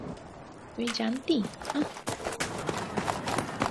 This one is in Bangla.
তুই জানতি, হাহ?